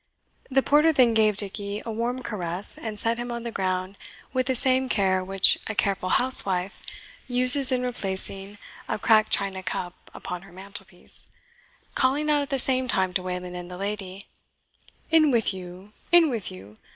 The porter then gave Dickie a warm caress, and set him on the ground with the same care which a careful housewife uses in replacing a cracked china cup upon her mantelpiece, calling out at the same time to Wayland and the lady, "In with you in with you!